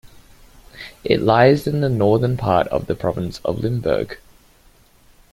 It lies in the northern part of the province of Limburg.